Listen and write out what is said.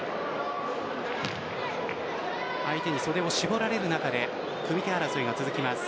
相手に袖を絞られる中で組み手争いが続きます。